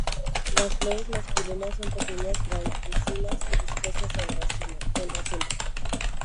Las flores masculinas son pequeñas, blanquecinas y dispuestas en racimos.